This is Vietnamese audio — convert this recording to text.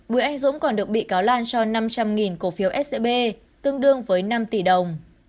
bùi anh dũng còn được bị cáo lan cho năm trăm linh cổ phiếu scb tương đương với năm tỷ đồng